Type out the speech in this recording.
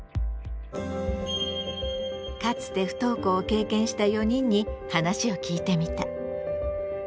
かつて不登校を経験した４人に話を聞いてみた。